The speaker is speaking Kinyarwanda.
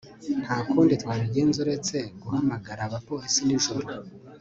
nta kundi twabigenza uretse guhamagara abapolisi nijoro